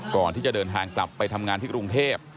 ก่อนที่จะเดินทางกลับไปทำงานที่กรุงเทพ